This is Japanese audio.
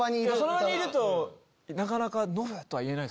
その場にいるとなかなか「ノブ」とは言えない。